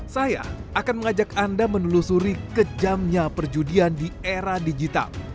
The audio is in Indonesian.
saya akan mengajak anda menelusuri kejamnya perjudian di era digital